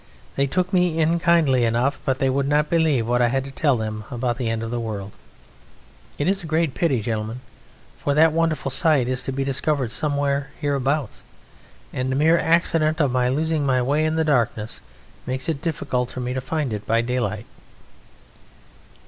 They took me in kindly enough, but they would not believe what I had to tell them about the End of the World. It is a great pity, gentlemen, for that wonderful sight is to be discovered somewhere hereabouts, and a mere accident of my losing my way in the darkness makes it difficult for me to find it by daylight."